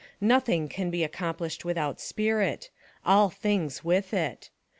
Nothing can be accomplished without spirit ; all tilings with it.